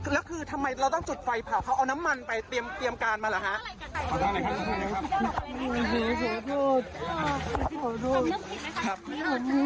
แล้วคือทำไมเราต้องจุดไฟเผาเขาเอาน้ำมันไปเตรียมการมาเหรอฮะ